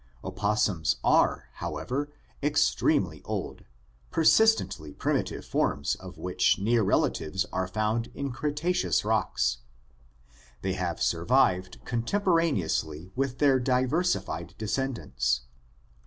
Opossums are, however, extremely old, per ADAPTIVE RADIATION 287 sistentty primitive forms of which near relatives are found in Cre taceous rocks. They have survived contemporaneously with their diversified descendants.